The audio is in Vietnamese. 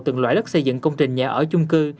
từng loại đất xây dựng công trình nhà ở chung cư